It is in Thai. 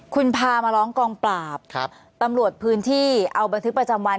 คุณพามาร้องกองปราบตำรวจพื้นที่เอาบันทึกประจำวัน